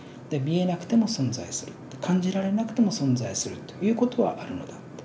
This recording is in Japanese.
見えなくても存在する感じられなくても存在するという事はあるのだ。